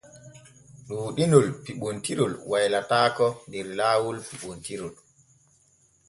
Ɗuuɗinol piɓontirol waylataako der laawol piɓontirol.